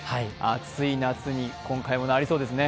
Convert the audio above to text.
熱い夏に今回もなりそうですね。